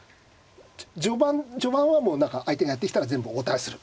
序盤は相手がやってきたら全部応対する。